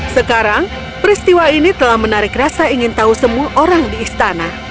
sekarang peristiwa ini telah menarik rasa ingin tahu semua orang di istana